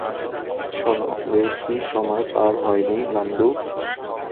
শোন, বেশি সময় পার হয়নি, নান্দু।